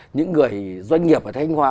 những người doanh nghiệp ở thanh hóa